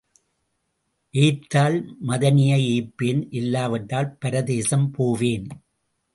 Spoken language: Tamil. ஏய்த்தால் மதனியை ஏய்ப்பேன் இல்லாவிட்டால் பரதேசம் போவேன்.